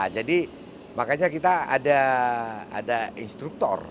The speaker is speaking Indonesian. jadi makanya kita ada instruktur ada instruktur tiga puluh orang